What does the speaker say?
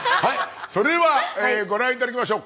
それではご覧頂きましょう。